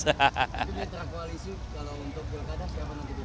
itu mitra koalisi kalau untuk golkada siapa nanti